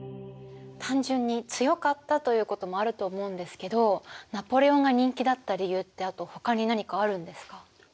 単純に強かったということもあると思うんですけどナポレオンが人気だった理由ってあとほかに何かあるんですか？